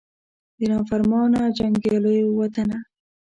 د نافرمانه جنګیالو وطنه